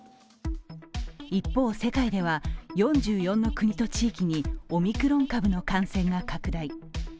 一方、世界では４４の国と地域にオミクロン株の感染が拡大。